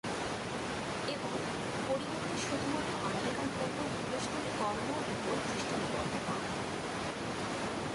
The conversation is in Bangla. এবং, পরিবর্তে শুধুমাত্র আমেরিকান পূর্বপুরুষদের কর্ম উপর দৃষ্টি নিবদ্ধ করা।